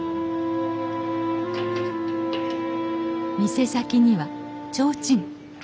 店先には提灯。